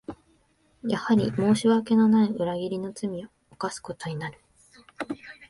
やはり申し訳のない裏切りの罪を犯すことになる